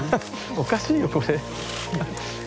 おかしいよこれ。